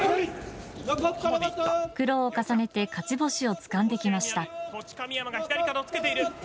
苦労を重ねて勝ち星をつかんできました。